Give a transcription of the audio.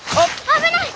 危ない！